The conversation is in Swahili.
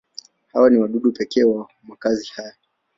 Hawa ni wadudu pekee wa makazi haya.